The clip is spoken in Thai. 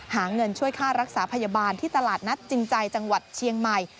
หาเงินช่วยค่ารักษาพยาบาลที่ตลาดนัดจริงใจจังหวัดเชียงใหม่